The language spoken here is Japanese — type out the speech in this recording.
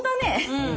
うん！